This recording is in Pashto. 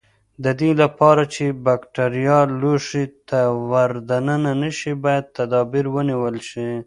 د دې لپاره چې بکټریا لوښي ته ور دننه نشي باید تدابیر ونیول شي.